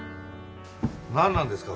何なんですか？